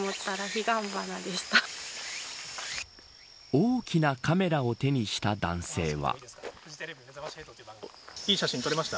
大きなカメラを手にした男性は。